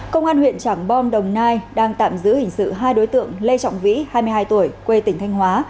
công an huyện trảng bom đồng nai đang tạm giữ hình sự hai đối tượng lê trọng vĩ hai mươi hai tuổi quê tỉnh thanh hóa